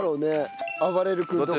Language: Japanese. あばれる君とか。